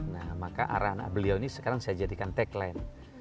nah maka arah anak beliau ini sekarang saya jadikan tagline